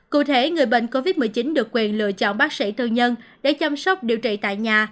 cụ thể người bệnh covid một mươi chín được quyền lựa chọn bác sĩ tư nhân để chăm sóc điều trị tại nhà